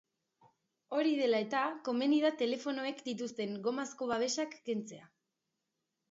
Hori dela eta, komeni da telefonoek dituzten gomazko babesak kentzea.